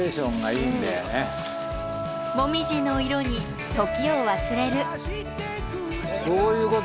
紅葉の色に時を忘れる。